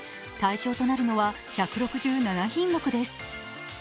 対象となるのは１６７品目です。